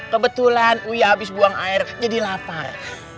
kebetulan wih habis buang air jadi lapar